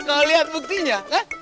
kau lihat buktinya